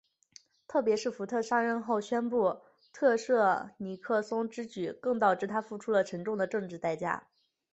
特别是福特上任后宣布特赦尼克松之举更导致他付出了沉重的政治代价。